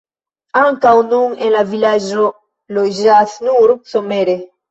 Ankaŭ nun en la vilaĝo loĝas nur somere.